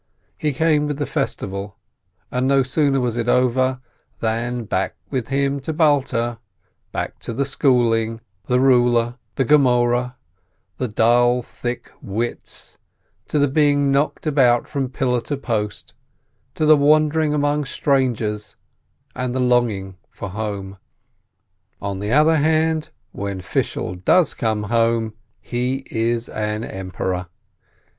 He came with the festival, and no sooner was it over, than back with him to Balta, back to the schooling, the ruler, the Gemoreh, the dull, thick wits, to the being knocked about from pillar to post, to the wandering among strangers, and the longing for home. On the other hand, when Fishel does come home, he is an emperor!